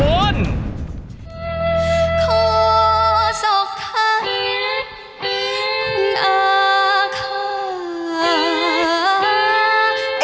คุณอาคา